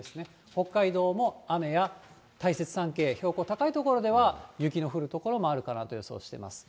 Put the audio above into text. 北海道も雨や、大雪山系、標高高い所では、雪の降る所もあるかなと予想しております。